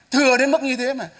thừa đến mức như thế mà